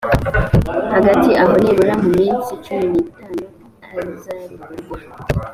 hagati aho nibura mu minsi cumi n itanu azarekurwa